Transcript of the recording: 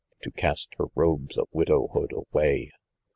To cast her robes of » idowhood away.